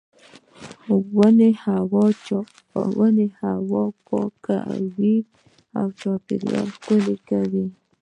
ونې هوا پاکوي او چاپیریال ښکلی کوي.